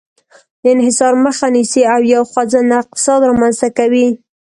د انحصار مخه نیسي او یو خوځنده اقتصاد رامنځته کوي.